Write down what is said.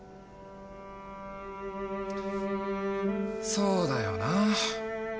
そうだよな。